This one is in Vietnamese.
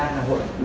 một mươi ba là hội